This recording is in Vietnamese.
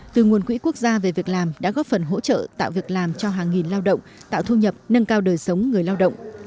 từ nguồn quỹ quốc gia về việc làm đã góp phần hỗ trợ tạo việc làm cho hàng nghìn lao động tạo thu nhập nâng cao đời sống người lao động